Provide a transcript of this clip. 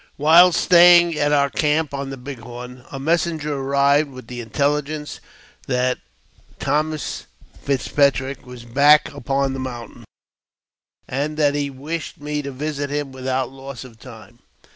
WHILE staying at our camp on the Big Horn, a messenger arrived with the inteUigence that Thomas Fitzpatrick was back upon the mountain, and that he wished me to visit him without loss of time.